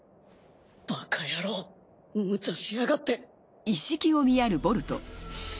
バカ野郎無茶しやがって！